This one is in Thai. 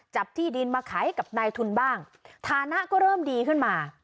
ที่ดินมาขายกับนายทุนบ้างฐานะก็เริ่มดีขึ้นมา